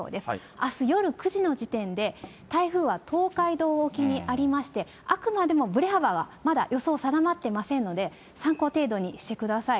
あす夜９時の時点で、台風は東海道沖にありまして、あくまでもぶれ幅はまだ予想定まっておりませんので、参考程度にしてください。